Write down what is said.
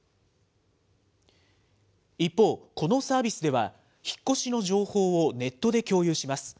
一方、このサービスでは、引っ越しの情報をネットで共有します。